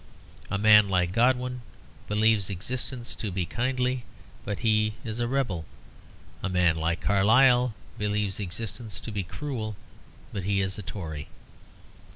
A man like Godwin believes existence to be kindly; but he is a rebel. A man like Carlyle believes existence to be cruel; but he is a Tory.